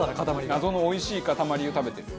謎のおいしい塊を食べてる。